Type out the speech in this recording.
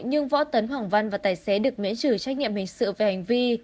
nhưng võ tấn hoàng văn và tài xế được miễn trừ trách nhiệm hình sự về hành vi